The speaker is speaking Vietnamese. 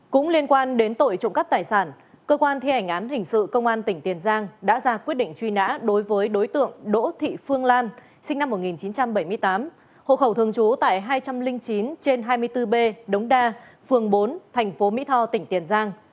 cũng liên quan đến tội trộm cắp tài sản cơ quan thi hành án hình sự công an tỉnh tiền giang đã ra quyết định truy nã đối với đối tượng đỗ thị phương lan sinh năm một nghìn chín trăm bảy mươi tám hộ khẩu thường trú tại hai trăm linh chín trên hai mươi bốn b đống đa phường bốn thành phố mỹ tho tỉnh tiền giang